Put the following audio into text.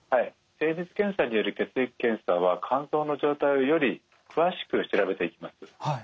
精密検査による血液検査は肝臓の状態をより詳しく調べていきます。